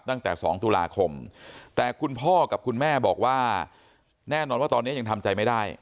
ตั้งแต่๒ตุลาคมแต่คุณพ่อกับคุณแม่บอกว่าแน่นอนว่าตอนนี้ยังทำใจไม่ได้